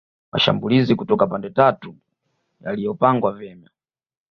Mashambulizi kutoka pande tatu yaliyopangwa vyema